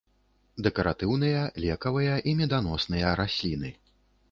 Дэкаратыўныя, лекавыя і меданосныя расліны.